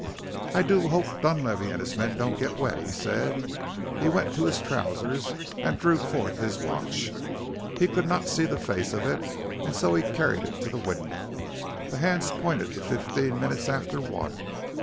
"I do hope Dunlavey and his men don't get wet." he said. He went to his trousers and drew forth his watch. He could not see the face of it and so he carried it to the window. The hands pointed to fifteen minutes after one.